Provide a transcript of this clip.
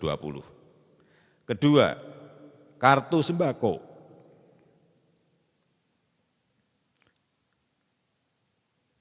jumlah penerima akan dinaikkan dari lima belas dua juta penerima menjadi dua puluh persen